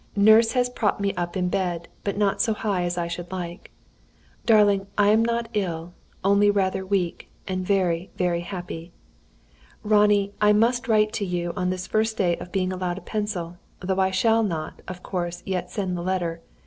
Nurse has propped me up in bed, but not so high as I should like. "Darling, I am not ill, only rather weak, and very, very happy. "Ronnie, I must write to you on this first day of being allowed a pencil, though I shall not, of course, yet send the letter.